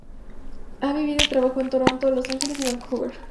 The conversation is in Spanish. Ha vivido y trabajado en Toronto, Los Ángeles y Vancouver.